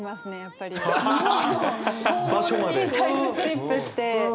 校門にタイムスリップして。